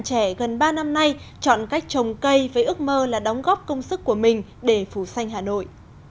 trẻ gần ba năm nay chọn cách trồng cây với ước mơ là đóng góp công sức của mình để phủ xanh hà nội